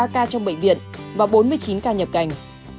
hai trăm một mươi ba ca trong bệnh viện và bốn mươi chín ca nhập cảnh